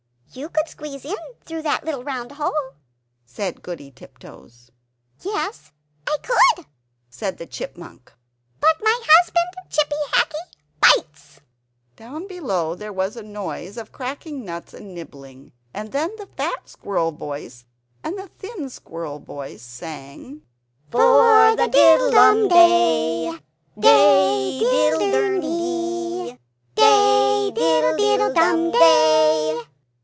"You could squeeze in, through that little round hole," said Goody Tiptoes. "Yes, I could," said the Chipmunk, "but my husband, Chippy Hackee, bites!" Down below there was a noise of cracking nuts and nibbling; and then the fat squirrel voice and the thin squirrel voice sang "For the diddlum day Day diddle durn di! Day diddle diddle dum day!"